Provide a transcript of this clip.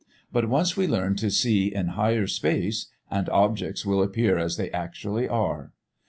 But, once we learn to see in Higher Space, and objects will appear as they actually are.